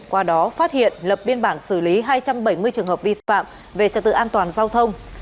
qua đó phát hiện lập biên bản xử lý hai trăm bảy mươi trường hợp vi phạm về trật tự an toàn giao thông